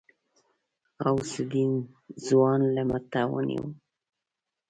غوث الدين ځوان له مټه ونيو.